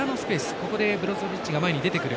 ここでブロゾビッチが前に出てくる。